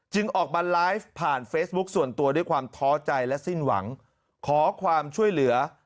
ออกมาไลฟ์ผ่านเฟซบุ๊คส่วนตัวด้วยความท้อใจและสิ้นหวังขอความช่วยเหลือ